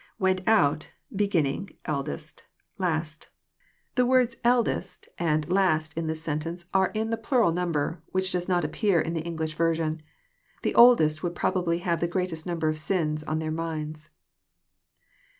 [Wentout...higinning...€ide8t...last.'\ The words ''eldest and JOHN, CHAP. vm. 78 last in this sentence are in the plural nnmber, which does not appear in the English version. The oldest woald probably have the greatest number of sins on their minds.